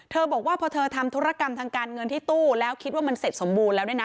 บอกว่าพอเธอทำธุรกรรมทางการเงินที่ตู้แล้วคิดว่ามันเสร็จสมบูรณ์แล้วเนี่ยนะ